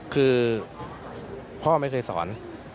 คือพ่อไม่เคยสอน